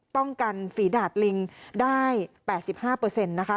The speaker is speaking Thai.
ป้องกันฝีดาทลิงได้๘๕เปอร์เซ็นต์นะคะ